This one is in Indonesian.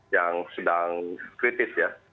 yang sedang kritis ya